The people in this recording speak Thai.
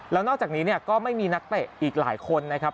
แล้วนอกจากนี้เนี่ยก็ไม่มีนักเตะอีกหลายคนนะครับ